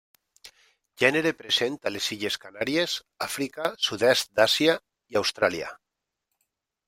Gènere present a les Illes Canàries, Àfrica, sud-est d'Àsia i Austràlia.